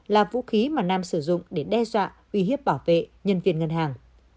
là vũ khí mà nam sử dụng để đe dọa uy hiếp bảo vệ nhân viên ngân hàng